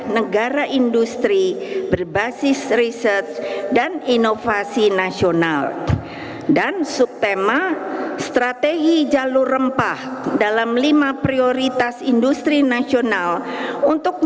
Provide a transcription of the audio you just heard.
menjadi nomor satu